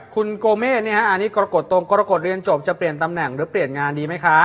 คุณโกเมฆอันนี้กรกฎตรงกรกฎเรียนจบจะเปลี่ยนตำแหน่งหรือเปลี่ยนงานดีไหมคะ